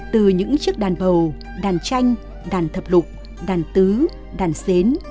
từ những chiếc đàn bầu đàn tranh đàn thập lục đàn tứ đàn xến